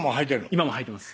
今もはいてます